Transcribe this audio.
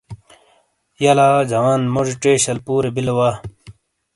یہہ لا جوان، موجی ژے شَل پُورے بِیلے وا۔